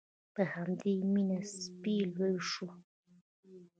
په همدې مینه سپی لوی شو.